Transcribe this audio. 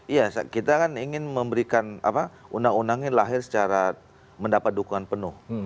iya kita kan ingin memberikan undang undangnya lahir secara mendapat dukungan penuh